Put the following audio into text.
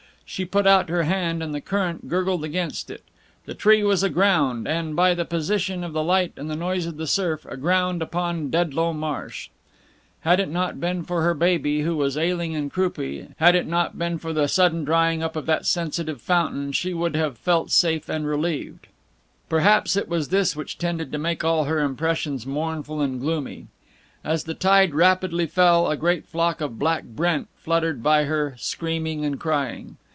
She put out her hand and the current gurgled against it. The tree was aground, and, by the position of the light and the noise of the surf, aground upon the Dedlow Marsh. Had it not been for her baby, who was ailing and croupy, had it not been for the sudden drying up of that sensitive fountain, she would have felt safe and relieved. Perhaps it was this which tended to make all her impressions mournful and gloomy. As the tide rapidly fell, a great flock of black brent fluttered by her, screaming and crying.